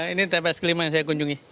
ini tps kelima yang saya kunjungi